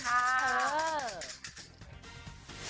เจ้าเตอร์